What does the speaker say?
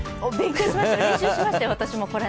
練習しましたよ。